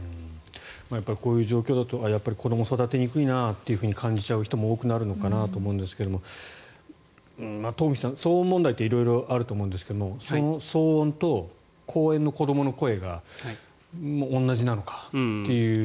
こういう状況だと子どもを育てにくいなと感じちゃう人も多くなるのかなと思うんですがトンフィさん、騒音問題って色々あると思うんですがその騒音と公園の子どもの声が同じなのかという。